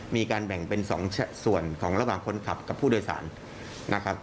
มีการแบ่งเป็น๒ส่วนของระหว่างคนขับกับผู้โดยสารนะครับ